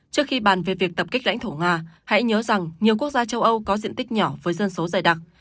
trước khi bàn về việc tập kích lãnh thổ nga hãy nhớ rằng nhiều quốc gia châu âu có diện tích nhỏ với dân số dày đặc